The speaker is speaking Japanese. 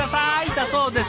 だそうです。